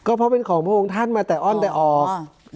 ก็เพราะเป็นของพระองค์ท่านมาแต่อ้อนแต่ออก